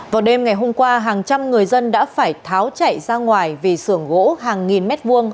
vào đêm ngày hôm qua hàng trăm người dân đã phải tháo chảy ra ngoài vì sưởng gỗ hàng nghìn mét vuông